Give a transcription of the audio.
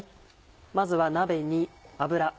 まずは鍋に。